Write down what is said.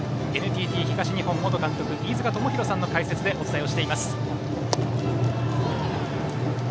ＮＴＴ東日本元監督の飯塚智広さんの解説でお伝えをしています。